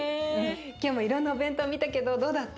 今日もいろんなお弁当見たけどどうだった？